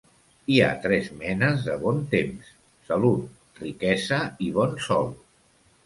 Hi ha tres menes de bon temps: salut, riquesa i bon sol.